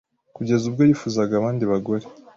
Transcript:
kugeza ubwo yifuza abandi bagore